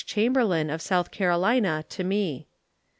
Chamberlain, of South Carolina, to me.